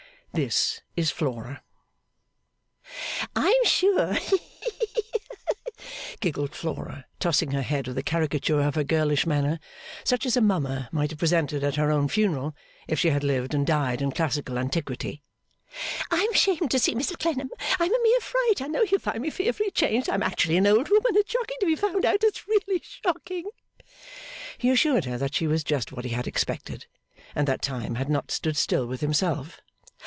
This is Flora! 'I am sure,' giggled Flora, tossing her head with a caricature of her girlish manner, such as a mummer might have presented at her own funeral, if she had lived and died in classical antiquity, 'I am ashamed to see Mr Clennam, I am a mere fright, I know he'll find me fearfully changed, I am actually an old woman, it's shocking to be found out, it's really shocking!' He assured her that she was just what he had expected and that time had not stood still with himself.